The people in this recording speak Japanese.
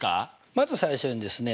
まず最初にですね